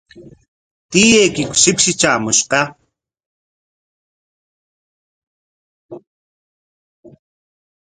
¿Tiyaykiku shipshi traamushqa?